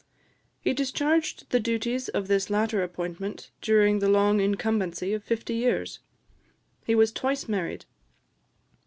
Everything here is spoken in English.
He discharged the duties of this latter appointment during the long incumbency of fifty years. He was twice married.